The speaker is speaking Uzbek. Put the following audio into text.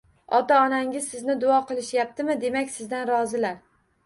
Ota-onangiz sizni duo qilishyaptimi, demak, sizdan rozilar.